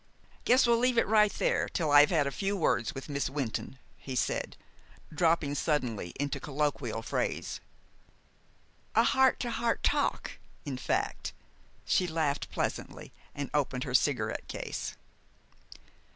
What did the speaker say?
"Guess we'll leave it right there till I've had a few words with Miss Wynton," he said, dropping suddenly into colloquial phrase. "A heart to heart talk, in fact." She laughed pleasantly, and opened her cigarette case.